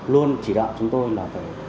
luôn chỉ đạo chúng tôi là phải